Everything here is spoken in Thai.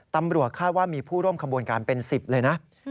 ตำรวจคาดว่ามีผู้ร่วมขบวนการเป็น๑๐เลยนะ